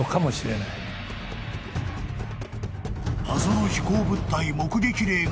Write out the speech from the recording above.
［謎の飛行物体目撃例が多い四国］